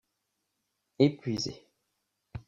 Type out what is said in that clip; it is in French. Épuisé.